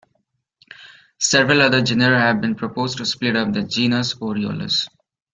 Several other genera have been proposed to split up the genus "Oriolus".